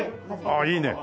あっいいね。